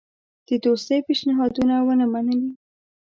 د دوستی پېشنهادونه ونه منلې.